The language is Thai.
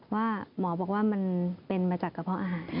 ว่าหมอบอกว่ามันเป็นมาจากกระเพาะอาหาร